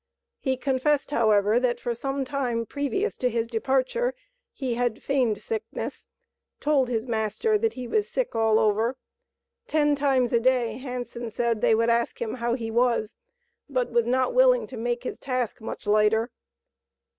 He confessed, however, that for some time previous to his departure, he had feigned sickness, told his master that he was "sick all over." "Ten times a day Hanson said they would ask him how he was, but was not willing to make his task much lighter."